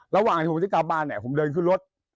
ระหว่างที่ผมจะกลับบ้านเนี่ยผมเดินขึ้นรถ